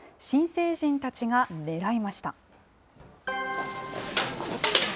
新成人たちが狙いました。